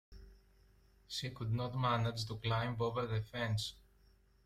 She could not manage to climb over the fence.